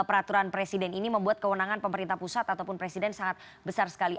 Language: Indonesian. peraturan presiden ini membuat kewenangan pemerintah pusat ataupun presiden sangat besar sekali